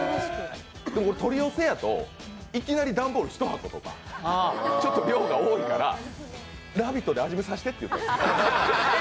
取り寄せやと、いきなり段ボール１箱とかちょっと量が多いから「ラヴィット！」で味見さしてって。